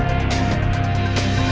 saya lucia saharu undur diri sampai jumpa